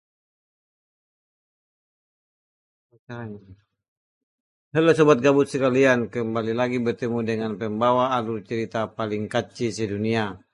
Terima kasih untuk apa?